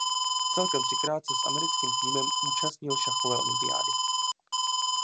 Celkem třikrát se s americkým týmem účastnil šachové olympiády.